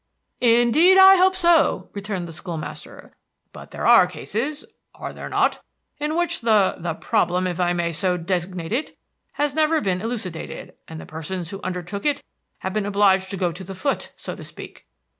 "Indeed, I hope so," returned the school master. "But there are cases are there not? in which the the problem, if I may so designate it, has never been elucidated, and the persons who undertook it have been obliged to go to the foot, so to speak."